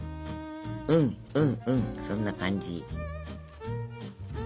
うんうんうんそんな感じ。